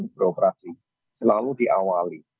jadi peroperasi selalu diawali